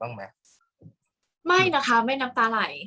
กากตัวทำอะไรบ้างอยู่ตรงนี้คนเดียว